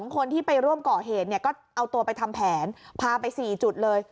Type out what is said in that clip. คนที่ไปร่วมก่อเหตุเนี่ยก็เอาตัวไปทำแผนพาไป๔จุดเลย